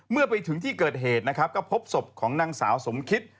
เมื่อไปถึงที่เกิดเหตุนะครับก็พบศพของนางสาวสมคิต